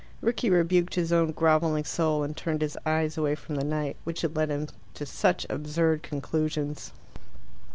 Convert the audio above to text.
Rickie rebuked his own groveling soul, and turned his eyes away from the night, which had led him to such absurd conclusions.